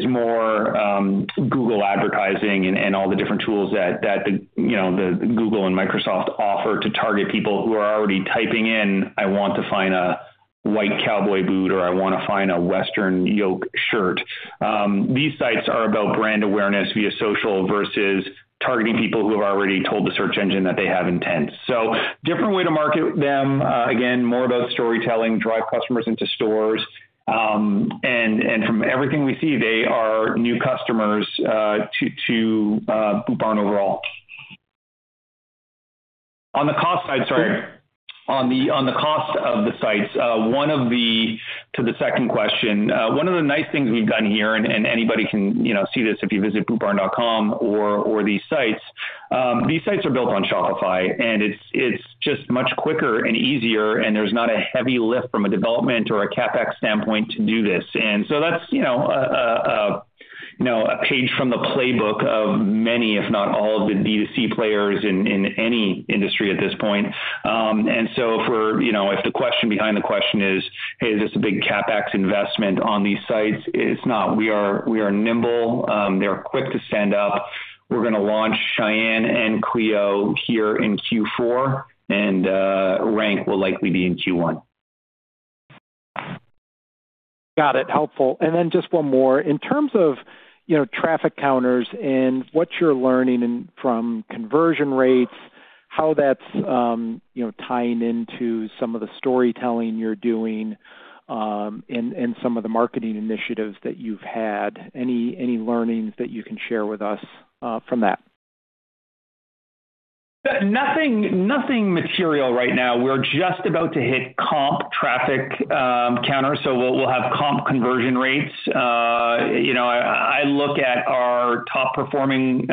more, Google advertising and all the different tools that you know the Google and Microsoft offer to target people who are already typing in, "I want to find a white cowboy boot," or, "I wanna find a Western yoke shirt." These sites are about brand awareness via social versus targeting people who have already told the search engine that they have intent. So different way to market them. Again, more about storytelling, drive customers into stores, and from everything we see, they are new customers to Boot Barn overall. On the cost side, sorry, on the cost of the sites, one of the... To the second question, one of the nice things we've done here, and anybody can, you know, see this if you visit bootbarn.com or these sites. These sites are built on Shopify, and it's just much quicker and easier, and there's not a heavy lift from a development or a CapEx standpoint to do this. And so that's, you know, a page from the playbook of many, if not all, of the B2C players in any industry at this point. And so for, you know, if the question behind the question is, is this a big CapEx investment on these sites? It's not. We are nimble. They are quick to stand up. We're gonna launch Shyanne and Cleo here in Q4, and Rank will likely be in Q1. Got it. Helpful. And then just one more. In terms of, you know, traffic counters and what you're learning from conversion rates, how that's tying into some of the storytelling you're doing, and some of the marketing initiatives that you've had. Any learnings that you can share with us from that? Nothing, nothing material right now. We're just about to hit comp traffic counter, so we'll have comp conversion rates. You know, I look at our top-performing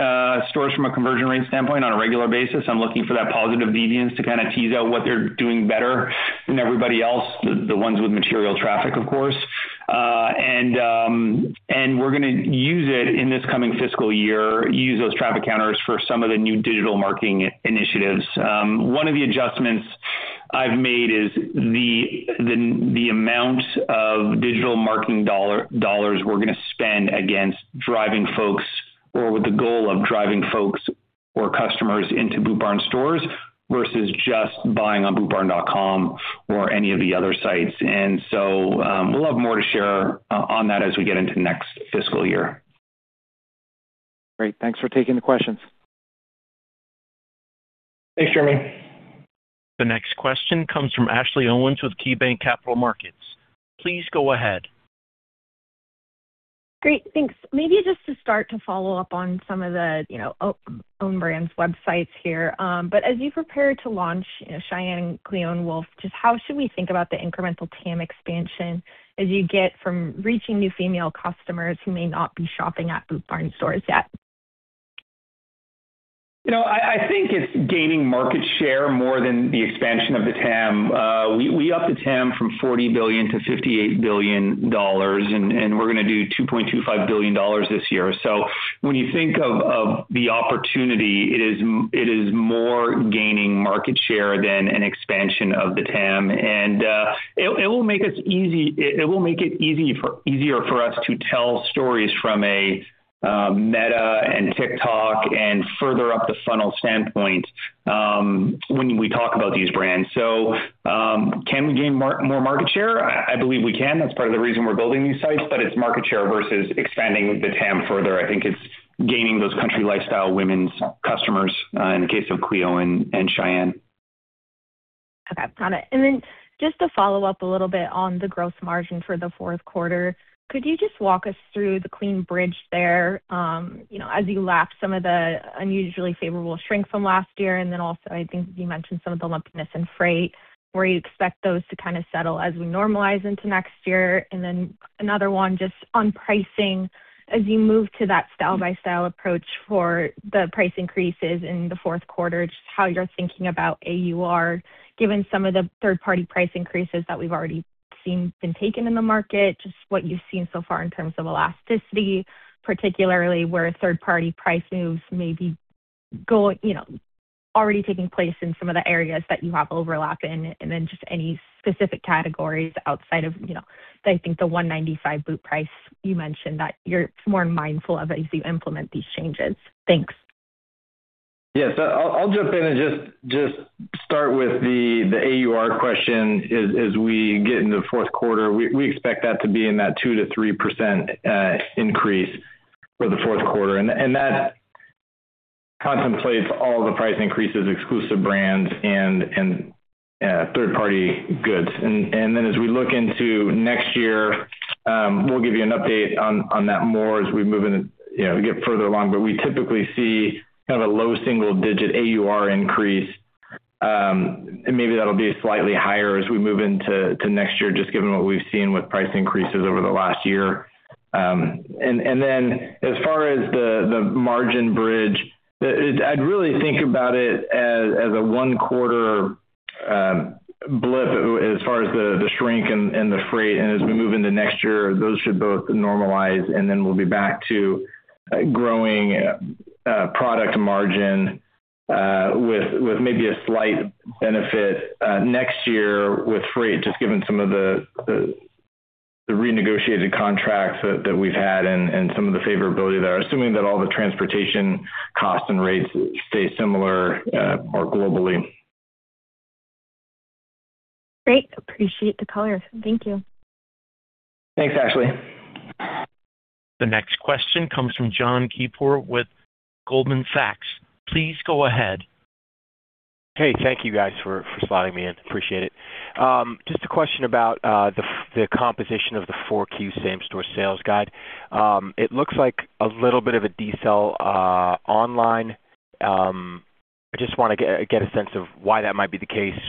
stores from a conversion rate standpoint on a regular basis. I'm looking for that positive deviance to kind of tease out what they're doing better than everybody else, the ones with material traffic, of course. And we're gonna use it in this coming fiscal year, use those traffic counters for some of the new digital marketing initiatives. One of the adjustments I've made is the amount of digital marketing dollars we're gonna spend against driving folks or with the goal of driving folks or customers into Boot Barn stores, versus just buying on bootbarn.com or any of the other sites. We'll have more to share on that as we get into next fiscal year. Great. Thanks for taking the questions. Thanks, Jeremy. The next question comes from Ashley Owens with KeyBanc Capital Markets. Please go ahead. Great. Thanks. Maybe just to start to follow up on some of the, you know, our own brands websites here. But as you prepare to launch, you know, Shyanne, Cleo and Wolf, just how should we think about the incremental TAM expansion as you get from reaching new female customers who may not be shopping at Boot Barn stores yet? You know, I think it's gaining market share more than the expansion of the TAM. We up the TAM from $40 billion to $58 billion, and we're gonna do $2.25 billion this year. So when you think of the opportunity, it is more gaining market share than an expansion of the TAM. And it will make it easier for us to tell stories from a Meta and TikTok and further up the funnel standpoint, when we talk about these brands. So, can we gain more market share? I believe we can. That's part of the reason we're building these sites, but it's market share versus expanding the TAM further. I think it's gaining those country lifestyle women's customers, in the case Cleo + Wolf and Shyanne. Okay, got it. And then just to follow up a little bit on the gross margin for the fourth quarter, could you just walk us through the clean bridge there, you know, as you lap some of the unusually favorable shrinks from last year? And then also, I think you mentioned some of the lumpiness in freight, where you expect those to kind of settle as we normalize into next year. And then another one, just on pricing, as you move to that style-by-style approach for the price increases in the fourth quarter, just how you're thinking about AUR, given some of the third-party price increases that we've already seen been taken in the market, just what you've seen so far in terms of elasticity, particularly where third-party price moves may be going, you know, already taking place in some of the areas that you have overlap in, and then just any specific categories outside of, you know, I think the 195 boot price you mentioned, that you're more mindful of as you implement these changes? Thanks. Yes. So I'll jump in and just start with the AUR question. As we get into the fourth quarter, we expect that to be in that 2%-3% increase for the fourth quarter. And that-... contemplates all the price increases, exclusive brands, and third-party goods. And then as we look into next year, we'll give you an update on that more as we move in, you know, get further along. But we typically see kind of a low single-digit AUR increase, and maybe that'll be slightly higher as we move into next year, just given what we've seen with price increases over the last year. And then, as far as the margin bridge, I'd really think about it as a one-quarter blip as far as the shrink and the freight. As we move into next year, those should both normalize, and then we'll be back to growing product margin with maybe a slight benefit next year with freight, just given some of the renegotiated contracts that we've had and some of the favorability there, assuming that all the transportation costs and rates stay similar more globally. Great. Appreciate the color. Thank you. Thanks, Ashley. The next question comes from Jon Keypour with Goldman Sachs. Please go ahead. Hey, thank you, guys, for spotting me in. Appreciate it. Just a question about the composition of the 4Q same-store sales guide. It looks like a little bit of a decel online. I just wanna get a sense of why that might be the case,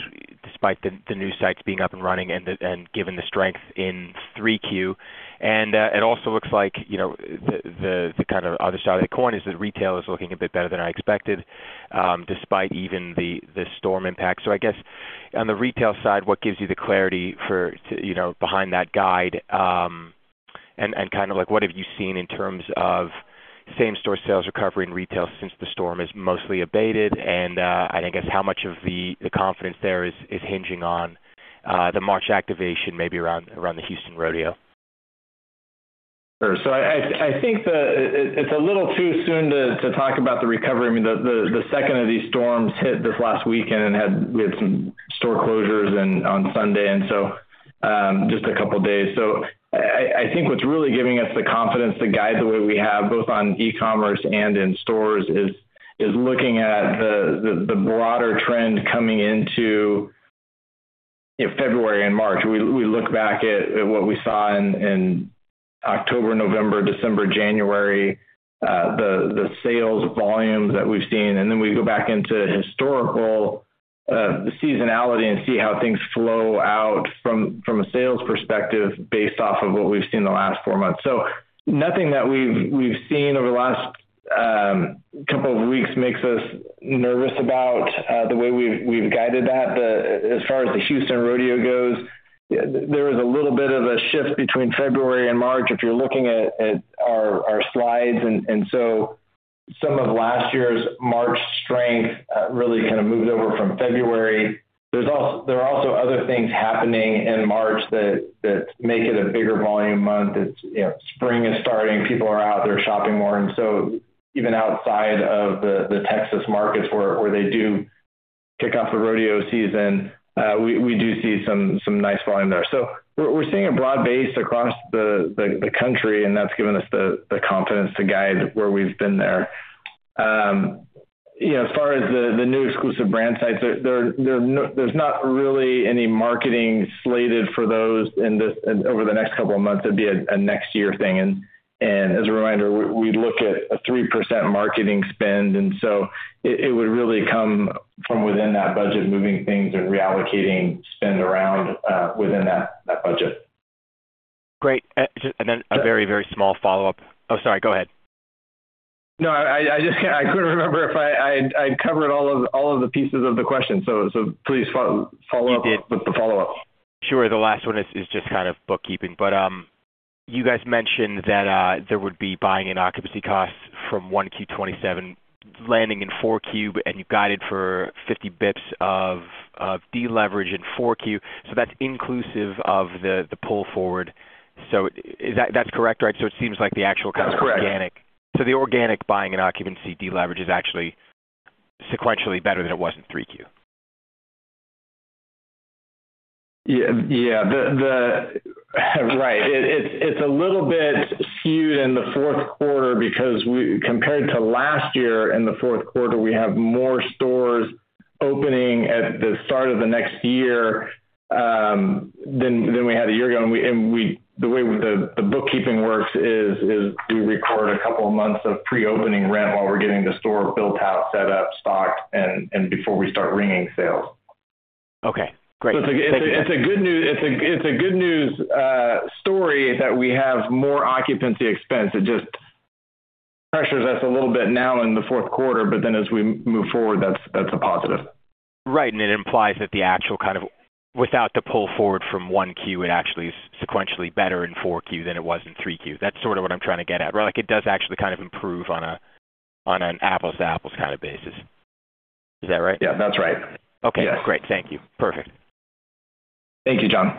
despite the new sites being up and running and given the strength in 3Q. It also looks like, you know, the kind of other side of the coin is that retail is looking a bit better than I expected, despite even the storm impact. So I guess on the retail side, what gives you the clarity for, to, you know, behind that guide, and, and kind of like, what have you seen in terms of same-store sales recovery in retail since the storm is mostly abated? And, I think, is how much of the, the confidence there is, is hinging on, the March activation, maybe around, around the Houston Rodeo. So I think it's a little too soon to talk about the recovery. I mean, the second of these storms hit this last weekend and we had some store closures on Sunday, and so just a couple of days. So I think what's really giving us the confidence to guide the way we have, both on e-commerce and in stores, is looking at the broader trend coming into, you know, February and March. We look back at what we saw in October, November, December, January, the sales volumes that we've seen, and then we go back into historical seasonality and see how things flow out from a sales perspective based off of what we've seen in the last four months. So nothing that we've seen over the last couple of weeks makes us nervous about the way we've guided that. But as far as the Houston Rodeo goes, there is a little bit of a shift between February and March if you're looking at our slides. And so some of last year's March strength really kind of moved over from February. There are also other things happening in March that make it a bigger volume month. It's, you know, spring is starting, people are out there shopping more. And so even outside of the Texas markets, where they do kick off the rodeo season, we do see some nice volume there. So we're seeing a broad base across the country, and that's given us the confidence to guide where we've been there. You know, as far as the new exclusive brand sites, there's no—there's not really any marketing slated for those in the—over the next couple of months. It'd be a next year thing. And as a reminder, we look at a 3% marketing spend, and so it would really come from within that budget, moving things and reallocating spend around within that budget. Great. Just and then a very, very small follow-up. Oh, sorry, go ahead. No, I couldn't remember if I'd covered all of the pieces of the question, so please follow up- You did. With the follow-up. Sure. The last one is just kind of bookkeeping, but, you guys mentioned that there would be buying and occupancy costs from 1Q 2027 landing in 4Q, and you guided for 50 basis points of deleverage in 4Q. So that's inclusive of the pull forward. So is that... That's correct, right? So it seems like the actual kind of- That's correct. -organic. So the organic buying and occupancy deleverage is actually sequentially better than it was in 3Q. Yeah. Yeah, the— Right. It's a little bit skewed in the fourth quarter because, compared to last year in the fourth quarter, we have more stores opening at the start of the next year than we had a year ago. And we— The way the bookkeeping works is we record a couple of months of pre-opening rent while we're getting the store built out, set up, stocked, and before we start ringing sales. Okay, great. It's a good news story that we have more occupancy expense. It just pressures us a little bit now in the fourth quarter, but then as we move forward, that's a positive. Right. It implies that the actual kind of, without the pull forward from Q1, it actually is sequentially better in Q4 than it was in Q3. That's sort of what I'm trying to get at. Like, it does actually kind of improve on an apples-to-apples kind of basis. Is that right? Yeah, that's right. Okay. Yes. Great. Thank you. Perfect. Thank you, John.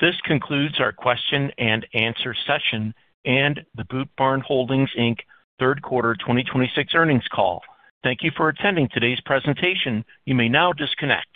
This concludes our question-and-answer session and the Boot Barn Holdings, Inc. third quarter 2026 earnings call. Thank you for attending today's presentation. You may now disconnect.